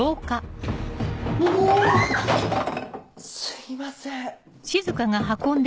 すいません。